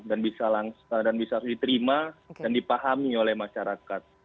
dan bisa diterima dan dipahami oleh masyarakat